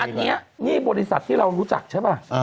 อันนี้นี่บริษัทที่เรารู้จักใช่ป่ะ